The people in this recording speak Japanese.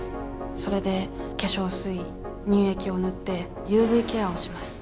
それで化粧水乳液を塗ってＵＶケアをします。